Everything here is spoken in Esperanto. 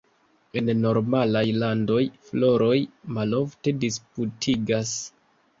En normalaj landoj, floroj malofte disputigas.